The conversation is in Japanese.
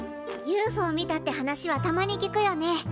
ＵＦＯ見たって話はたまに聞くよね。